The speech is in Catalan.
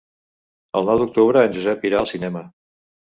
El nou d'octubre en Josep irà al cinema.